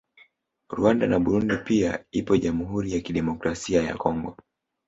Rwanda na Burundi pia ipo Jamhuri Ya Kidemokrasia ya Congo